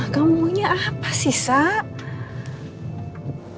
kamunya apa sih sahab